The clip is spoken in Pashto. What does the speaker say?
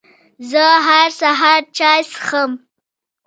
زه هر سهار چای څښم